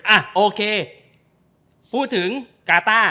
อ่ะโอเคพูดถึงกาต้า